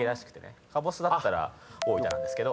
かぼすだったら大分ですけど。